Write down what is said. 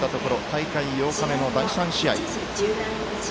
大会８日目の第３試合。